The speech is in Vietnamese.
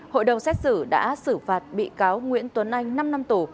hội đồng xét xử đã xử phạt bị cáo nguyễn tuấn anh năm năm tù